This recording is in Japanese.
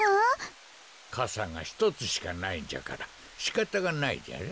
かさがひとつしかないんじゃからしかたがないじゃろう。